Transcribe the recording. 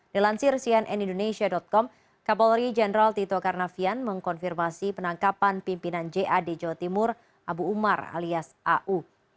dilansir cnn indonesia com kapolri jenderal tito karnavian mengkonfirmasi penangkapan pimpinan jad jawa timur abu umar alias au